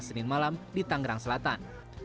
senin malam di tangerang selatan